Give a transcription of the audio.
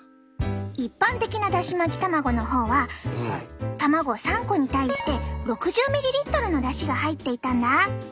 一般的なだし巻き卵の方は卵３個に対して６０ｍｌのだしが入っていたんだ。